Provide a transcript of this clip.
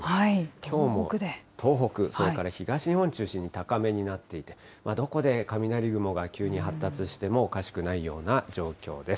きょうも東北、それから東日本中心に高めになっていて、どこで雷雲が急に発達してもおかしくないような状況です。